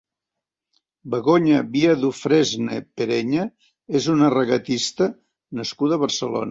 Begonya Via-Dufresne Pereña és una regatista nascuda a Barcelona.